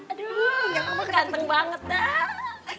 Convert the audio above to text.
aduh gak mau keren banget dah